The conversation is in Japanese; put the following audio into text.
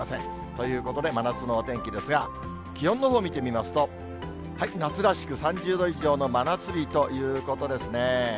ということで、真夏のお天気ですが、気温のほう見てみますと、夏らしく３０度以上の真夏日ということですね。